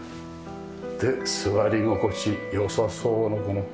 で座り心地良さそうなこの。